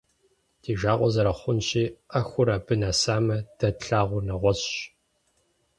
Ди жагъуэ зэрыхъунщи, ӏэхур абы нэсамэ, дэ тлъагъур нэгъуэщӏщ.